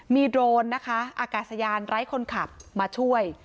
มีโดรนนะคะอากาศยานไร้คนขับมาช่วย